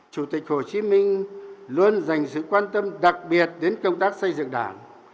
chủ tịch hồ chí minh luôn dành sự quan tâm đặc biệt đến công tác xây dựng đảng